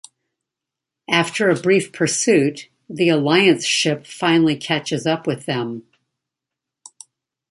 After a brief pursuit, the Alliance ship finally catches up with them.